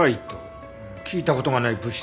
聞いた事がない物質だね。